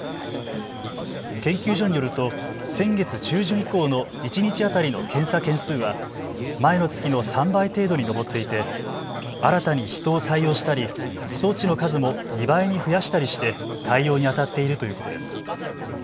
研究所によると先月中旬以降の一日当たりの検査件数は前の月の３倍程度に上っていて新たに人を採用したり装置の数も２倍に増やしたりして対応にあたっているということです。